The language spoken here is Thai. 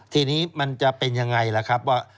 ทีนี้มันจะเป็นยังไงล่ะครับว่า